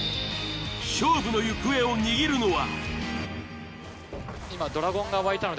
勝負の行方を握るのは。